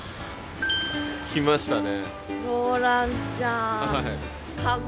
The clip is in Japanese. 来ましたね。